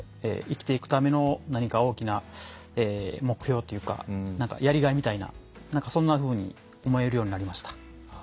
生きていくための何か大きな目標というかやりがいみたいな何かそんなふうに思えるようになりました。